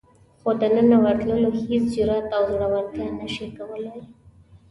خو دننه ورتلو هېڅ جرئت او زړورتیا نشي کولای.